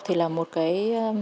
thì là một cái